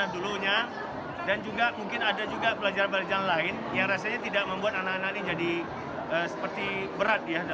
dan mungkin ada juga pelajaran pelajaran lain yang rasanya tidak membuat anak anak ini berat